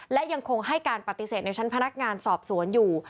และยังคงให้การปฏิเสธในชั้นพนักงานสอบสวนอยู่